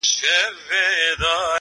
پاچا په خپلو لاسو بيا سپه سالار وتړی_